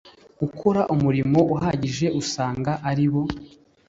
gukora umurimo uhagije usanga ari bo